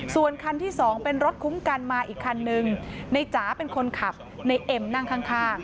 ส่วนคันที่สองเป็นรถคุ้มกันมาอีกคันนึงในจ๋าเป็นคนขับในเอ็มนั่งข้าง